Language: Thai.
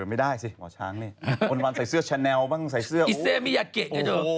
อันดับวันใส่เสื้อแชนเนลบ้างใส่เสื้ออิเซมียาเกะไงเธอ